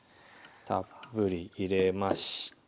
たっぷり入れましてはい。